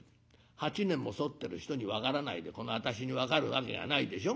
８年も添ってる人に分からないでこの私に分かるわけがないでしょ。